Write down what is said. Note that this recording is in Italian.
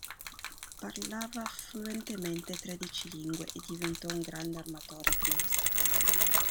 Parlava fluentemente tredici lingue e diventò un grande armatore a Trieste.